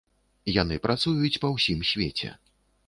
Яны працуюць па ўсім свеце.